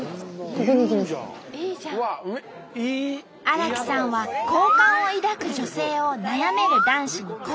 荒木さんは好感を抱く女性を悩める男子にこっそり教える。